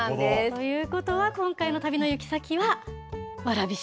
ということは今回の旅の行き先は蕨市？